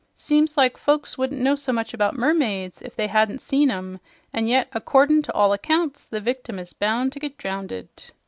Seems like folks wouldn't know so much about mermaids if they hadn't seen 'em; an' yet accordin' to all accounts the victim is bound to get drownded."